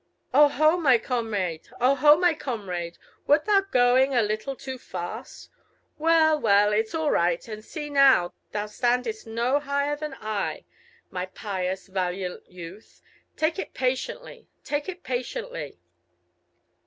"Oh ho, my comrade! oh ho, my comrade! wert thou going a little too fast? Well, well, it is all right; and see now, thou standest no higher than I, my pious, valiant youth! Take it patiently, take it patiently!"